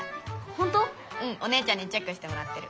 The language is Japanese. うんお姉ちゃんにチェックしてもらってる。